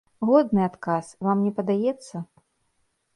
Годны адказ, вам не падаецца?